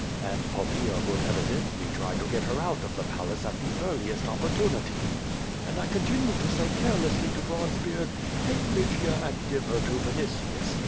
And Poppaea will evidently try to get her out of the palace at the earliest opportunity. And I continued to say carelessly to Bronzebeard: *Take Lygia and give her to Vini tius.